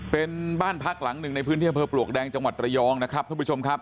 เป็นบ้านพักหลังหนึ่งในพื้นที่อำเภอปลวกแดงจังหวัดระยองนะครับท่านผู้ชมครับ